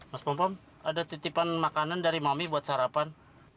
mas pompa ada titipan makanan dari mami buat sarapan